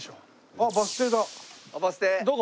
あっバス停。